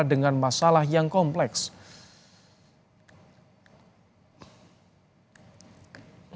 sebenarnya ini adalah hal yang sangat penting untuk memperbaiki kekuatan dan kekuatan yang sangat penting untuk memperbaiki kekuatan yang sangat penting